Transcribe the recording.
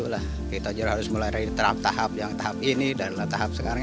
kita juga harus mulai dari tahap tahap ini dan tahap sekarang